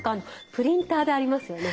プリンターでありますよね。